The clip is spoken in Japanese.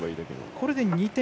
これで２点。